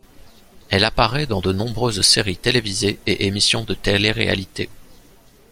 Elle apparaît dans de nombreuses séries télévisées et émissions de télé-réalité.